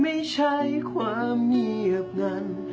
ไม่ใช่ความเงียบนั้น